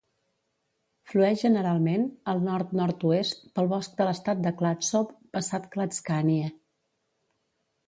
Flueix generalment al nord-nord-oest pel bosc de l'estat de Clatsop, passat Clatskanie.